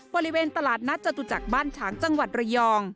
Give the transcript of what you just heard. บริเวณตลาดนัดจตุจักรบ้านฉางจังหวัดระยอง